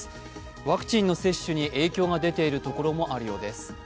ワクチンの接種に影響が出ているところもあるようです。